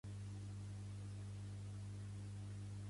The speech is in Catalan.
Qui era Dionís l'Areopagita?